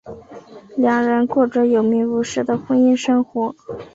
两人过着有名无实的婚姻生活。